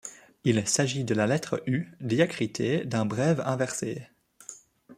Il s'agit de la lettre U diacritée d'un brève inversée.